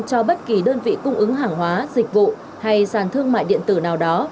cho bất kỳ đơn vị cung ứng hàng hóa dịch vụ hay sàn thương mại điện tử nào đó